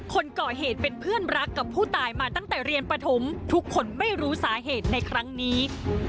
คนก่อเหตุเป็นเพื่อนรักกับผู้ตายมาตั้งแต่เรียนปฐมทุกคนไม่รู้สาเหตุในครั้งนี้